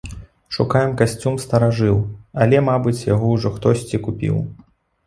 Шукаем касцюм-старажыл, але, мабыць, яго ўжо хтосьці купіў.